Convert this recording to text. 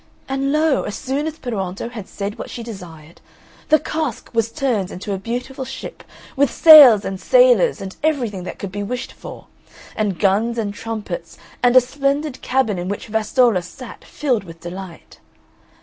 And lo! as soon as Peruonto had said what she desired, the cask was turned into a beautiful ship; with sails and sailors and everything that could be wished for; and guns and trumpets and a splendid cabin in which Vastolla sat filled with delight.